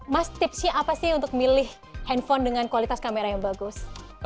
mas tipsnya apa sih untuk milih handphone dengan kualitas kamera yang bagus